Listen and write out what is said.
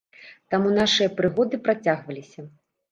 Таму нашыя прыгоды працягваліся.